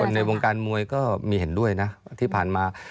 ในวงการมวยก็มีเห็นด้วยนะที่ผ่านมา